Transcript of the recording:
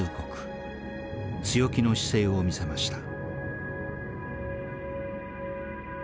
強気の姿勢を見せました。